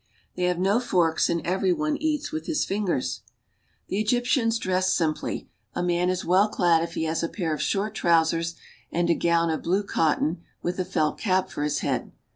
They have no forks, and every one eats with his fingers. The Egyptians dress simply. A man is well clad if he has a pair of short trousers and a gown of blue cotton with a felt cap for his head.